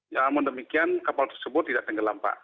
namun demikian kapal tersebut tidak tenggelam pak